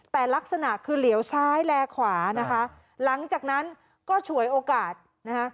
แต่ลักษณะคือเหลียวซ้ายแลขวานะคะหลังจากนั้นก็ฉวยโอกาสนะคะ